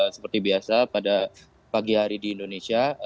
seperti biasa pada pagi hari di indonesia